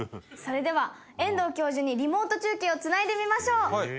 それでは遠藤教授にリモート中継をつないでみましょう。